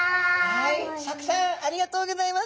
はい耀來さんありがとうギョざいます。